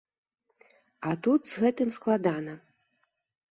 А тут з гэтым складана.